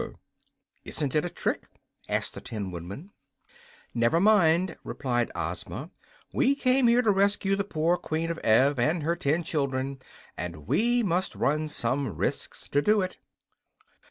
"Isn't it a trick?" asked the Tin Woodman. "Never mind," replied Ozma. "We came here to rescue the poor Queen of Ev and her ten children, and we must run some risks to do so."